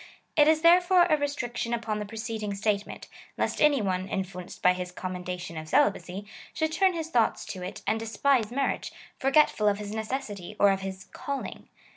It is therefore a restriction upon the preceding statement, lest any one, influenced by his commendation of celibacy, should turn his thoughts to it, and despise marriage, forgetful of liis necessity or of his calling.